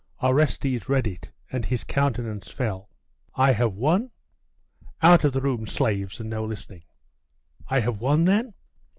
Orestes read it and his countenance fell. 'I have won?' 'Out of the room, slaves! and no listening!' 'I have won then?